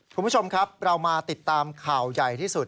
คุณผู้ชมครับเรามาติดตามข่าวใหญ่ที่สุด